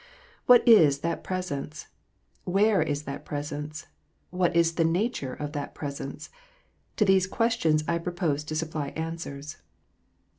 What is that presence 1 Where is that presence ? What is the nature of that presence 1 To these questions I propose to supply answers.